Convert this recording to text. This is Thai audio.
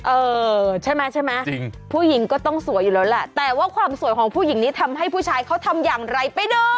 เออใช่ไหมใช่ไหมจริงผู้หญิงก็ต้องสวยอยู่แล้วแหละแต่ว่าความสวยของผู้หญิงนี้ทำให้ผู้ชายเขาทำอย่างไรไปดู